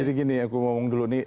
jadi gini aku ngomong dulu nih